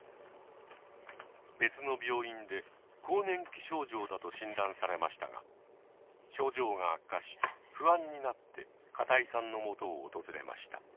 別の病院で更年期症状だと診断されましたが症状が悪化し不安になって片井さんのもとを訪れました。